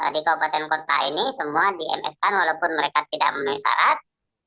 di kabupaten kota ini semua di ms kan walaupun mereka tidak menuhi syarat